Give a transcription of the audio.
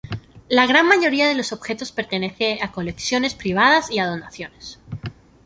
La gran mayoría de los objetos pertenecen a colecciones privadas y a donaciones.